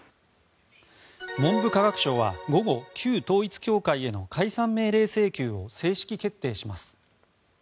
文部科学省は午後旧統一教会への解散命令請求を正式決定します。